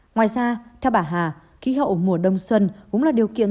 ngoài ra theo bà hà khí hậu mùa đông xuân cũng là điều kiện